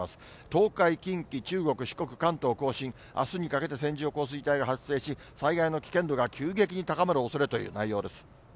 東海、近畿、中国、四国、関東甲信、あすにかけて線状降水帯が発生し、災害の危険度が急激に高まるおそれという内容です。